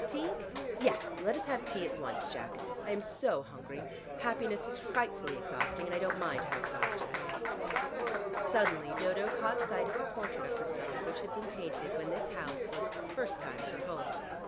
Tea? Yes, let us have tea at once, Jack. I am so hungry: happiness is frightfully exhausting, and I don't mind how exhausted I am." Suddenly Dodo caught sight of the portrait of herself which had been painted when this house was for the first time her home.